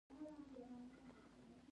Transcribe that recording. په هر ځای کې پیدا کیږي.